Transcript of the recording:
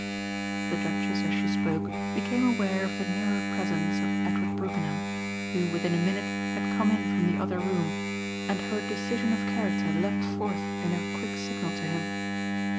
The Duchess, as she spoke, became aware of the nearer presence of Edward Brookenham, who within a minute had come in from the other room; and her decision of character leaped forth in her quick signal to him.